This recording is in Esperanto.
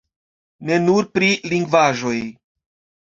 Ne nur pri lingvaĵoj.